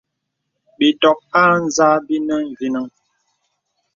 Bìtɔ̀k â zā bìnə mvinəŋ.